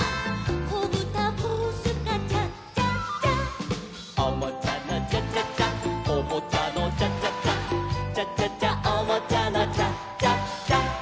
「こぶたブースカチャチャチャ」「おもちゃのチャチャチャおもちゃのチャチャチャ」「チャチャチャおもちゃのチャチャチャ」